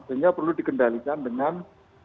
sehingga perlu dikendalikan dengan